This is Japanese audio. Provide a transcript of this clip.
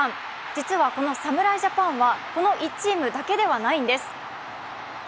実はこの侍ジャパンはこの１チームだけではないんです。